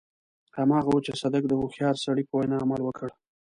هماغه و چې صدک د هوښيار سړي په وينا عمل وکړ.